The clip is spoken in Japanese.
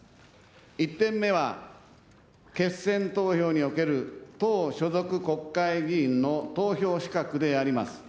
１点目は、決選投票における党所属国会議員の投票資格であります。